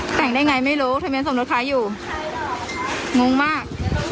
แต่งได้ไงไม่รู้ทะเบียนสมรสค้าอยู่งงมาก